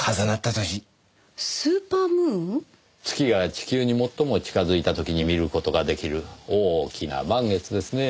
月が地球に最も近づいた時に見る事が出来る大きな満月ですねぇ。